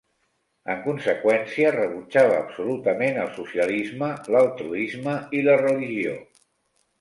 En conseqüència, rebutjava absolutament el socialisme, l'altruisme i la religió.